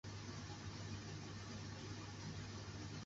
麦氏波鱼为鲤科波鱼属的鱼类。